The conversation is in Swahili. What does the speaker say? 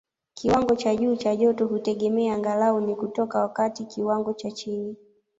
Kiwango cha juu cha joto hutegemea angalau ni kutoka wakati kiwango cha chini